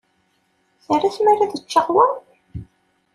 Terra tmara ad ččeɣ wa?